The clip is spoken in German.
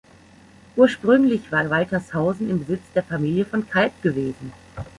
Ursprünglich war Waltershausen im Besitz der Familie von Kalb gewesen.